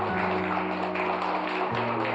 belum bouncy juga